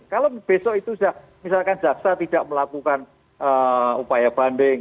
kalau besok itu sudah misalkan jaksa tidak melakukan upaya banding